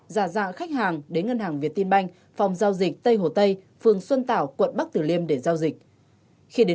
giả dạng khách hàng đến ngân hàng việt tiên banh phòng giao dịch tây hồ tây phường xuân tảo quận bắc tử liêm để giao dịch